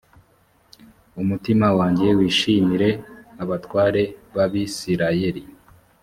umutima wanjye wishimire abatware b abisirayeli